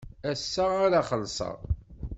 Ass-a ara xellṣeɣ.